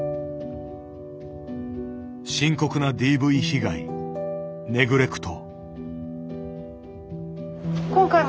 深刻なＤＶ被害ネグレクト。